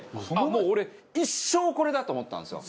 もう俺一生これだと思ったんですよ。